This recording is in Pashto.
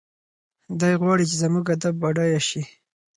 دی غواړي چې زموږ ادب بډایه شي.